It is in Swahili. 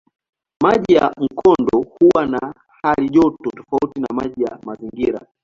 Maji ya mkondo huwa na halijoto tofauti na maji ya mazingira.